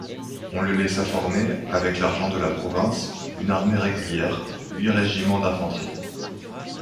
On le laissa former, avec l'argent de la province, une armée régulière, huit régiments d'infanterie.